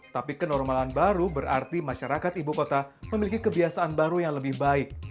tapi kenormalan baru berarti masyarakat ibu kota memiliki kebiasaan baru yang lebih baik